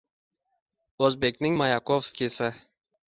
Oʻzbekning Mayakovskiysi